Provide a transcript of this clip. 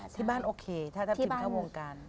ที่บ้านโอเคถ้าทัพทิมเข้าวงการ